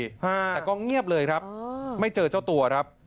แต่ก็เงียบเลยครับไม่เจอเจ้าตัวครับ